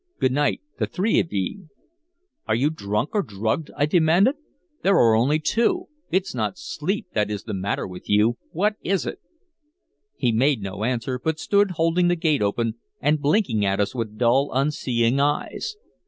Good night, the three of ye!" "Are you drunk or drugged?" I demanded. "There are only two. It's not sleep that is the matter with you. What is it?" He made no answer, but stood holding the gate open and blinking at us with dull, unseeing eyes.